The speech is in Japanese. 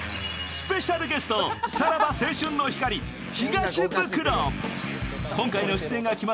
スペシャルゲスト、さらば青春の光、東ブクロ。